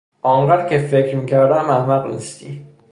آنقدر که فکر میکردم احمق نیستی.